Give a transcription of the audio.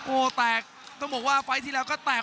โอ้แปลกต้องบอกว่าไฟที่ไหนก็แปลก